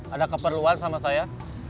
ada keperluan sama saya